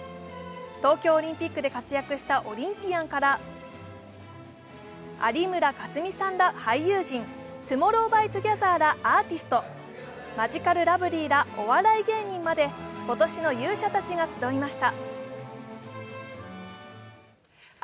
東京オリンピックで活躍したオリンピアンから有村架純さんら俳優陣、ＴＯＭＯＲＲＯＷＸＴＯＧＥＴＨＥＲらアーティスト、マヂカルラブリーらお笑い芸人まで今年の勇者たちが集いました。